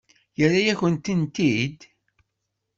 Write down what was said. Yerra-yakent-t-id?